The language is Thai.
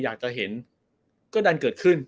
อยากจะเห็นก็ดันเกิดขึ้น